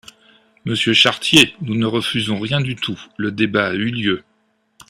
Monsieur Chartier, nous ne refusons rien du tout : le débat a eu lieu.